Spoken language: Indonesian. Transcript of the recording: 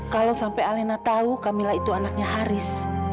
kalau sampai alena tahu camilla itu anaknya haris